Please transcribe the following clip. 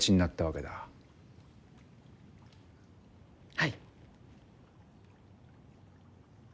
はい。